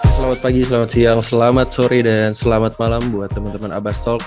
selamat pagi selamat siang selamat sore dan selamat malam buat teman teman abbastol